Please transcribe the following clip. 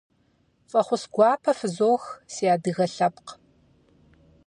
Фӏэхъус гуапэ фызох, си адыгэ лъэпкъ!